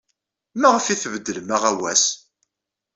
Maɣef ay tbeddlem aɣawas?